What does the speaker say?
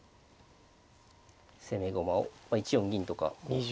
攻め駒を１四銀とかもある。